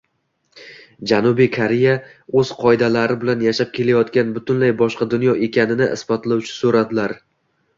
Janubiy Koreya o‘z qoidalari bilan yashab kelayotgan butunlay boshqa dunyo ekanini isbotlovchi suratlar